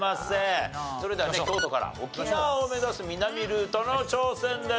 それでは京都から沖縄を目指す南ルートの挑戦です。